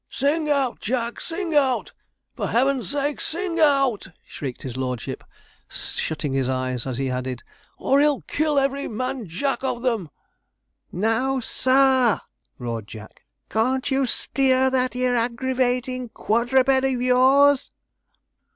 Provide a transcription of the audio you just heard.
'Sing out Jack! sing out! for heaven's sake sing out,' shrieked his lordship, shutting his eyes, as he added, 'or he'll kill every man jack of them.' 'NOW, SUR!' roared Jack, 'can't you steer that 'ere aggravatin' quadruped of yours?'